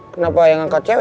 kenapa yang angkat cewek